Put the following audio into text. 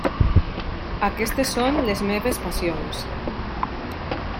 Aquestes són les meves passions.